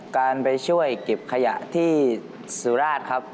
การไปช่วยเก็บขยะที่สุราชครับ